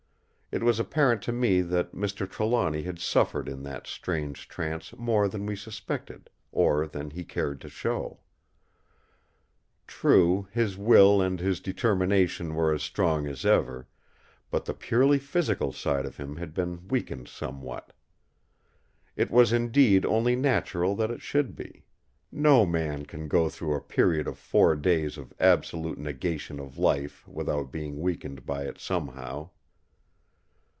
It was apparent to me that Mr. Trelawny had suffered in that strange trance more than we suspected, or than he cared to show. True, his will and his determination were as strong as ever; but the purely physical side of him had been weakened somewhat. It was indeed only natural that it should be. No man can go through a period of four days of absolute negation of life without being weakened by it somehow.